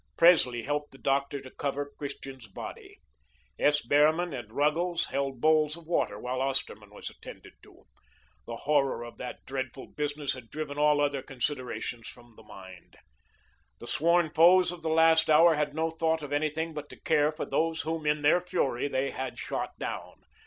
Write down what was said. Presley helped the doctor to cover Christian's body. S. Behrman and Ruggles held bowls of water while Osterman was attended to. The horror of that dreadful business had driven all other considerations from the mind. The sworn foes of the last hour had no thought of anything but to care for those whom, in their fury, they had shot down.